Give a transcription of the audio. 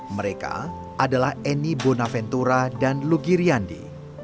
mereka adalah eni bonaventura dan lugi riandi